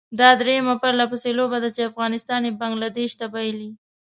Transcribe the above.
دا درېيمه پرلپسې لوبه ده چې افغانستان یې بنګله دېش ته بايلي.